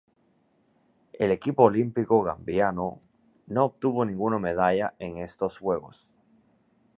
El equipo olímpico gambiano no obtuvo ninguna medalla en estos Juegos.